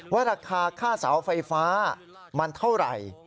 ว่าราคาค่าเสาไฟฟ้ามันเท่าไหร่